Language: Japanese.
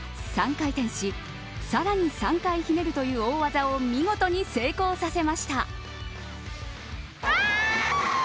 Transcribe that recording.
３回転し、さらに３回ひねりという大技を見事に成功させました。